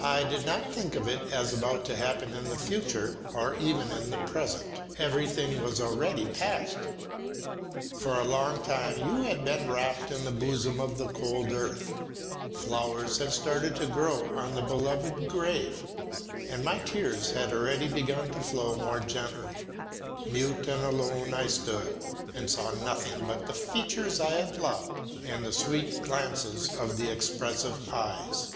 I did not think of it as about to happen in the future, or even in the present. Everything was already past. For a long time you had been wrapt in the bosom of the cold earth; flowers had started to grow on the beloved grave, and my tears had already begun to flow more gently. Mute and alone I stood, and saw nothing but the features I had loved and the sweet glances of the expressive eyes.